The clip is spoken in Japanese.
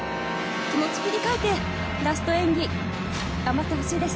気持ちを切り替えてラスト演技、頑張ってほしいです。